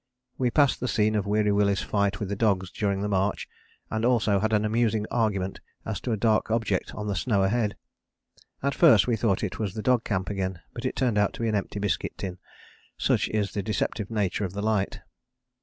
We passed the scene of Weary Willie's fight with the dogs during the march and also had an amusing argument as to a dark object on the snow ahead. At first we thought it was the dog camp again, but it turned out to be an empty biscuit tin, such is the deceptive nature of the light.